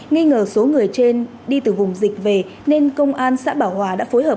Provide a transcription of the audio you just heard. nghi ngờ số người trên đi từ vùng dịch về nên công an xã bảo hòa đã phối hợp